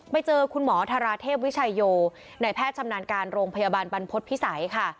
ไปเจอคุณหมอธาราเทพวิชัยโยในแพทย์ชำนาญการโรงพยาบาลบรรพฤษภิษัยค่ะ